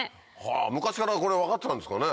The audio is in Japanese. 昔からこれ分かってたんですかね？